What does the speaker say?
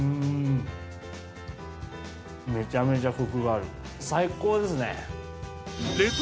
めちゃめちゃコクがある最高ですね